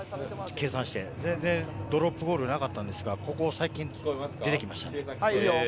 ドロップゴールがなかったのですが、ここ最近、出てきました。